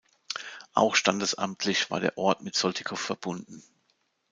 Auch standesamtlich war der Ort mit Soltikow verbunden.